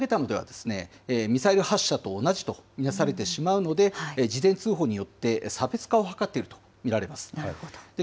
今回もいきなり打ち上げたのではミサイル発射と同じと見なされてしまうので、事前通報によって差別化を図っていると見られます。